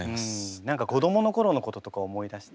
何か子どもの頃のこととか思い出して。